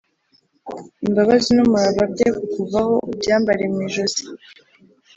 imbabazi n’umurava bye kukuvaho, ubyambare mu ijosi,